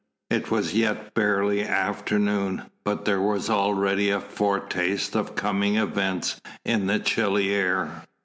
It was yet barely afternoon, but there was already a foretaste of coming evening in the chilly air.